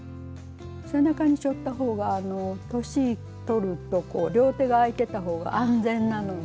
背中にしょった方があの年取ると両手があいてた方が安全なので。